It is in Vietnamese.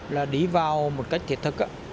là đi vào một cách thiệt thức á